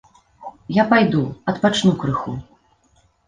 Я пайду, адпачну крыху.